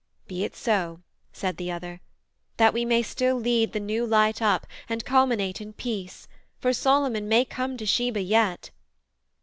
'Be it so' the other, 'that we still may lead The new light up, and culminate in peace, For Solomon may come to Sheba yet.'